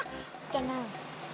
eh din tenang